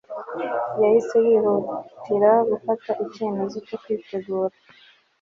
Yahise yihutira gufata icyemezo cyo kwitegura